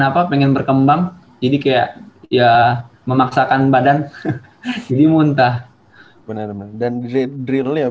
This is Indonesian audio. apa pengen berkembang jadi kayak ya memaksakan badan jadi muntah bener bener dan drill drill